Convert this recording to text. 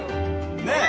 ねえ。